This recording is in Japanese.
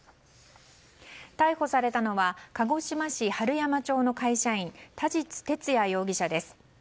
逮捕されたのは鹿児島市春山町の会社員田賽徹矢容疑者です。